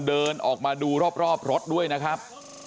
เดินออกมาดูรอบรถด้วยนะครับ